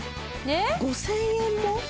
５０００円も？